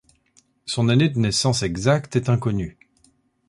Son année de naissance exacte est inconnue.